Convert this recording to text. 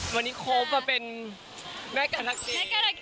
วันนี้ครบเป็นแม่การะเกด